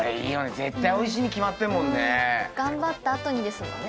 絶対おいしいに決まってるもんね。頑張った後にですもんね。